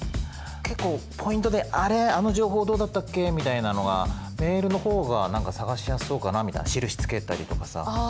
結構ポイントで「あれ？あの情報どうだったっけ？」みたいなのがメールの方が何か探しやすそうかなみたいな印つけたりとかさ。